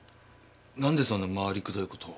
なんでそんな回りくどいことを？